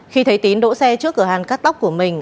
khi thấy tín đỗ xe trước cửa hàng cắt tóc của mình